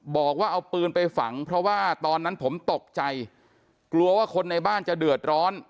บอกว่าเอาปืนไปฝังเพราะว่าตอนนั้นผมตกใจกลัวว่าคนในบ้านจะเดือดร้อน